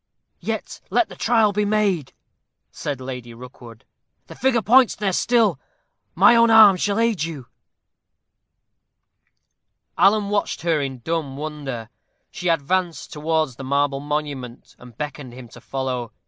"Yet let the trial be made," said Lady Rookwood; "the figure points there still my own arm shall aid you." Alan watched her in dumb wonder. She advanced towards the marble monument, and beckoned him to follow.